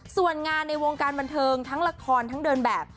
ส่วนงานในวงการบันเทิงทั้งละครทั้งเดินแบบ